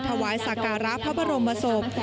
ถวายสาการะพระบรมโมโศพ